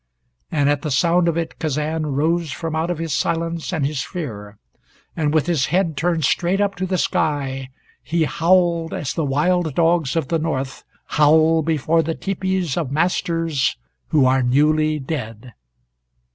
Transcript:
And at the sound of it Kazan rose from out of his silence and his fear, and with his head turned straight up to the sky he howled as the wild dogs of the North howl before the tepees of masters who are newly dead.